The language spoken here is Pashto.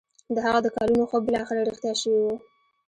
د هغه د کلونو خوب بالاخره رښتيا شوی و.